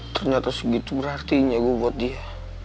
ternyata segitu berarti nyagu buat dia